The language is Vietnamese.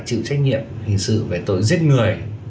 chịu trách nhiệm hình sự về tội giết người